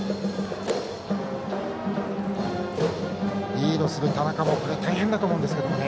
リードする田中も大変だと思いますけどね。